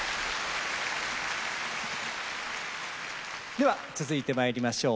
では続いてまいりましょう。